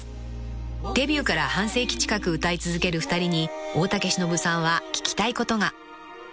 ［デビューから半世紀近く歌い続ける２人に大竹しのぶさんは聞きたいことが］